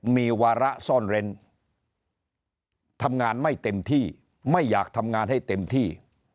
มีวาระซ่อนเร้นทำงานไม่เต็มที่ไม่อยากทำงานให้เต็มที่